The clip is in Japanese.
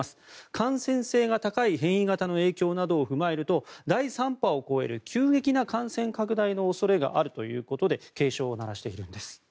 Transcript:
感染性が高い変異型の影響などを踏まえると第３波を超える急激な感染拡大の恐れがあるということで警鐘を鳴らしています。